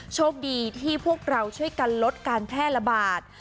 โชคดีที่พวกเราช่วยกันลดการแพร่ระบาด